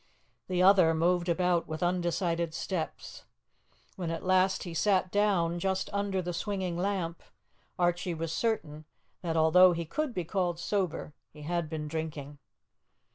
The other moved about with undecided steps. When at last he sat down, just under the swinging lamp, Archie was certain that, though he could be called sober, he had been drinking.